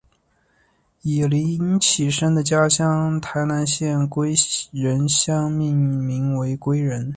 以林启生的家乡台南县归仁乡命名为归仁。